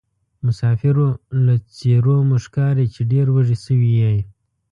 مسافرو له څېرومو ښکاري چې ډېروږي سوي یې.